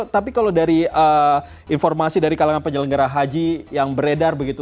tapi kalau dari informasi dari kalangan penyelenggara haji yang beredar begitu